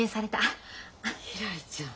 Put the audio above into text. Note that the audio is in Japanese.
ひらりちゃん。